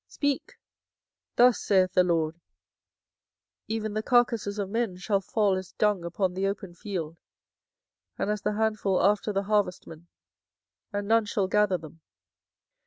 24:009:022 Speak, Thus saith the LORD, Even the carcases of men shall fall as dung upon the open field, and as the handful after the harvestman, and none shall gather them.